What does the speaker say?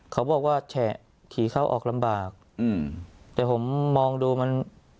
เขาบอกว่าแฉะขี่เข้าออกลำบากอืมแต่ผมมองดูมัน